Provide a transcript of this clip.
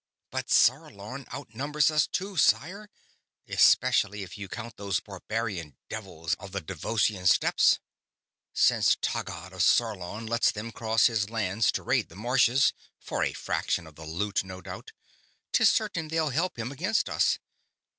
"But Sarlon outnumbers us too, sire, especially if you count those barbarian devils of the Devossian steppes. Since Taggad of Sarlon lets them cross his lands to raid the Marches for a fraction of the loot, no doubt 'tis certain they'll help him against us.